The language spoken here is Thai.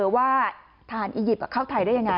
ว่าทหารอียิปต์เข้าไทยได้ยังไง